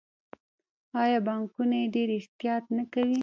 آیا بانکونه یې ډیر احتیاط نه کوي؟